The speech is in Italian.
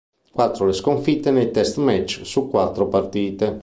Quattro le sconfitte nei test match su quattro partite.